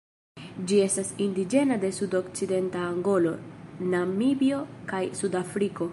Ĝi estas indiĝena de sudokcidenta Angolo, Namibio kaj Sudafriko.